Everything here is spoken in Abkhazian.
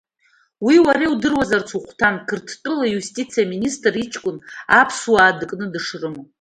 Уи уара иудыруазарц ухәҭан, Қырҭтәыла аиустициа аминистр иҷкәын аԥсуаа дыкны дышрымоу.